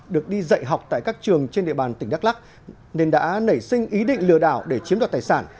được đi dạy học tại các trường trên địa bàn tỉnh đắk lắc nên đã nảy sinh ý định lừa đảo để chiếm đoạt tài sản